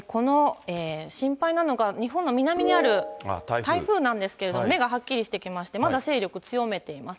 心配なのが日本の南にある台風なんですけれども、目がはっきりしてきまして、まだ勢力強めています。